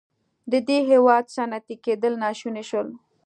د دې هېواد صنعتي کېدل ناشون شول.